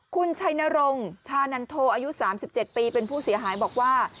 คุณชัยนรงชานันโทอายุ๓๗ปีเป็นผู้เสียหายบอกว่า